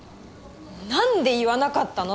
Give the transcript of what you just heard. なんで言わなかったの？